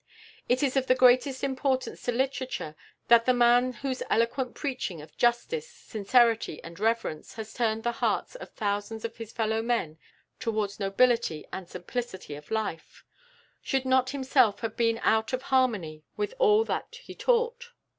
It is of the greatest importance to literature that the man whose eloquent preaching of justice, sincerity, and reverence has turned the hearts of thousands of his fellowmen towards nobility and simplicity of life, should not himself have been out of harmony with all that he taught.